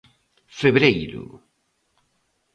Febreiro